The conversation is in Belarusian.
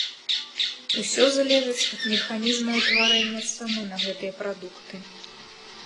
Усё залежыць ад механізма ўтварэння цаны на гэтыя прадукты.